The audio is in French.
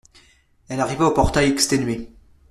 Elle arriva au portail exténuée.